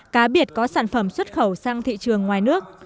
cá biệt có sản phẩm xuất khẩu sang thị trường ngoài nước